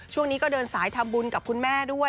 ช่วงนี้ก็เดินสายทำบุญกับคุณแม่ด้วย